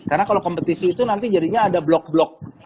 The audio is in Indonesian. karena kalau kompetisi itu nanti jadinya ada blok blok